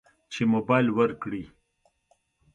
چې موبایل ورکړي.